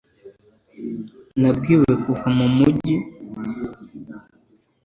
Nabwiwe kuva mu mujyi